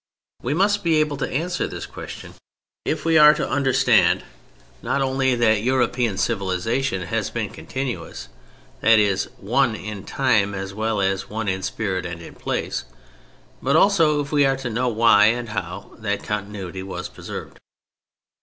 We must be able to answer this question if we are to understand, not only that European civilization has been continuous (that is, one in time as well as one in spirit and in place), but also if we are to know why and how that continuity was preserved.